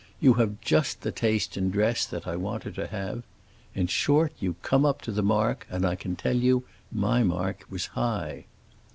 You have just the taste in dress that I want her to have. In short, you come up to the mark, and, I can tell you, my mark was high."